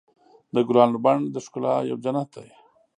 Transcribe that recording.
د ګلانو بڼ د ښکلا یو جنت دی.